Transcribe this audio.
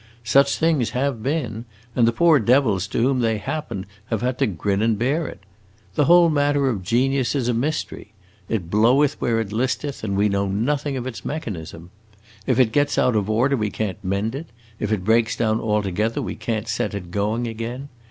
Such things have been, and the poor devils to whom they happened have had to grin and bear it. The whole matter of genius is a mystery. It bloweth where it listeth and we know nothing of its mechanism. If it gets out of order we can't mend it; if it breaks down altogether we can't set it going again.